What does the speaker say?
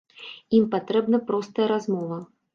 Ім патрэбна простая размова.